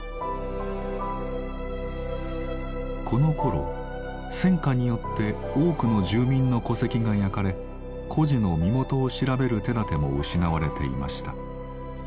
このころ戦火によって多くの住民の戸籍が焼かれ孤児の身元を調べる手だても失われていました。